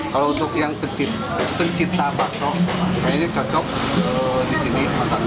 kalau untuk yang pencinta bakso ini cocok di sini